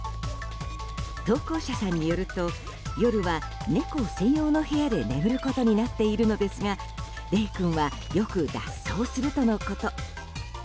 投稿者さんによると夜は猫専用の部屋で眠ることになっているのですがレイ君はよく脱走するとのこと。